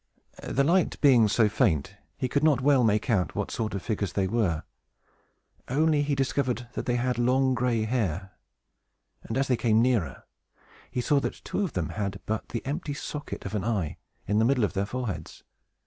The light being so faint, he could not well make out what sort of figures they were; only he discovered that they had long gray hair; and, as they came nearer, he saw that two of them had but the empty socket of an eye, in the middle of their foreheads.